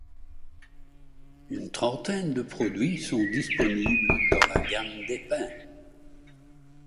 Une trentaine de produits sont disponibles dans la gamme des pains.